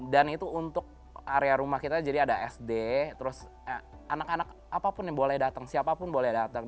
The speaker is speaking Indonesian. dan itu untuk area rumah kita jadi ada sd terus anak anak apapun yang boleh datang siapapun boleh datang